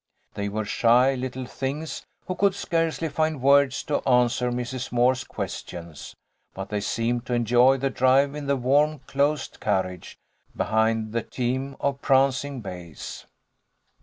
They were shy little things who could scarcely find words to answer Mrs. Moore's questions, but they seemed to enjoy the drive in the warm closed carriage, behind the team of prancing bays.